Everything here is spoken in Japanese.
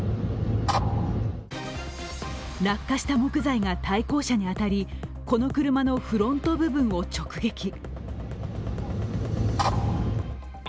落下した木材が対向車に当たり、この車のフロント部分を直撃。